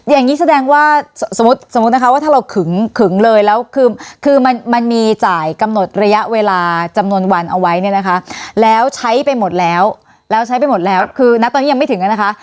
อย่างนี้แสดงว่าสมมุติสมมุตินะคะว่าถ้าเราขึงขึงเลยแล้วคือคือมันมันมีจ่ายกำหนดระยะเวลาจำนวนวันเอาไว้เนี่ยนะคะแล้วใช้ไปหมดแล้วแล้วใช้ไปหมดแล้วคือณตอนนี้ยังไม่ถึงอ่ะนะคะ